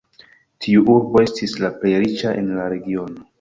Tiu urbo estis la plej riĉa en la regiono.